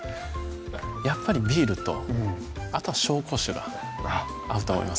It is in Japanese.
やっぱりビールとあとは紹興酒が合うと思いますね